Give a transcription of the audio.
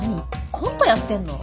コントやってんの？